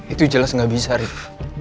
itu jelas gak bisa riff